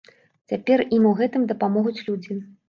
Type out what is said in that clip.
Цяпер ім у гэтым дапамогуць людзі.